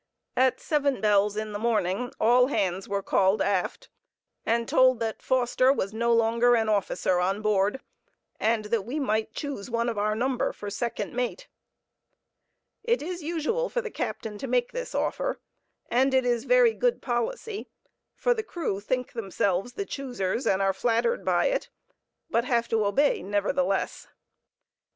At seven bells in the morning, all hands were called aft and told that Foster was no longer an officer on board, and that we might choose one of our number for second mate. It is usual for the captain to make this offer, and it is very good policy, for the crew think themselves the choosers and are flattered by it, but have to obey, nevertheless.